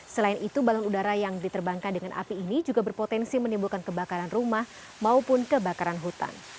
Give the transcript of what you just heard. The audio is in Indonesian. selain itu balon udara yang diterbangkan dengan api ini juga berpotensi menimbulkan kebakaran rumah maupun kebakaran hutan